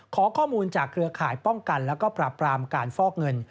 ขอข้อมูลจากเครือข่ายป้องกันแล้วก็ปราบปรามการฟอกเงิน